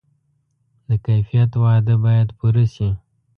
د کیفیت وعده باید پوره شي.